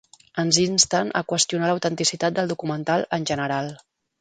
Ens insten a qüestionar l'autenticitat del documental en general.